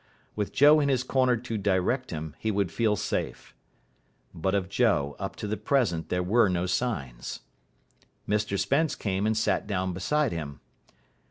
With Joe in his corner to direct him, he would feel safe. But of Joe up to the present there were no signs. Mr Spence came and sat down beside him.